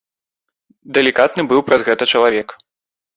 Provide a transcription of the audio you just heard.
Далікатны быў праз гэта чалавек.